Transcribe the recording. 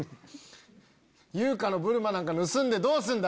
優香のブルマーなんか盗んでどうすんだ？